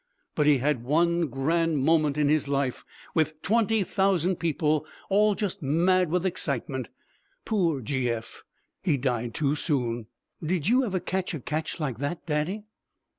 But he had one grand moment in his life, with twenty thousand people all just mad with excitement. Poor G. F.! He died too soon." "Did you ever catch a catch like that, Daddy?"